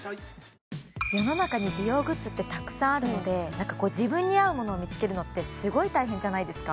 世の中に美容グッズってたくさんあるので何かこう自分に合うものを見つけるのってすごい大変じゃないですか？